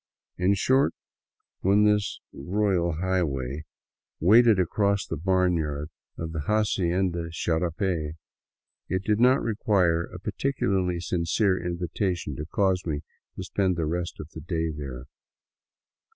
In short, when this " royal high 236 THE WILDS OF NORTHERN PERU way " waded across the barnyard of the " Hacienda Charape," it did not require a particularly sincere invitation to cause me to spend the rest of the day there.